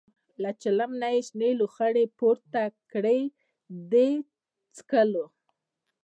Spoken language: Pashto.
له چلم نه یې شنې لوخړې پورته کړې د څکلو.